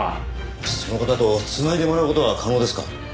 その方と繋いでもらう事は可能ですか？